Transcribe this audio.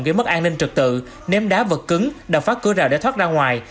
gây mất an ninh trực tự ném đá vật cứng đập phá cửa rào để thoát ra ngoài